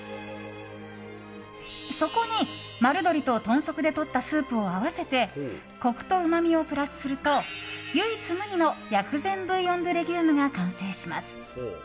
そこに丸鶏と豚足でとったスープを合わせてコクとうまみをプラスすると唯一無二の薬膳ブイヨン・ドゥ・レギュームが完成します。